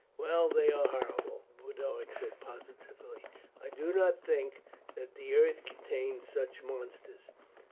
"Well, they are horrible," Boduoc said positively. "I did not think that the earth contained such monsters."